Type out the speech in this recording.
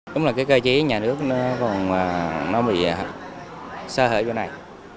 đúng là cái cơ chế nhà nước nó bị xa hởi vô này